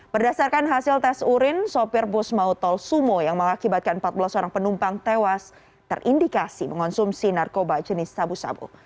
berdasarkan hasil tes urin sopir bus mautol sumo yang mengakibatkan empat belas orang penumpang tewas terindikasi mengonsumsi narkoba jenis sabu sabu